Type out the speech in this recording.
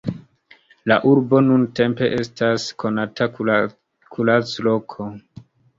La urbo nuntempe estas konata kuracloko.